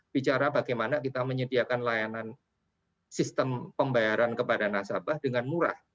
bicara bagaimana kita menyediakan layanan sistem pembayaran kepada nasabah dengan murah